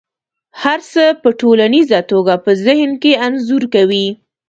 هر څه په ټوليزه توګه په ذهن کې انځور کوي.